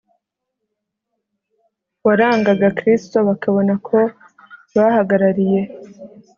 warangaga Kristo bakabona ko bahagarariye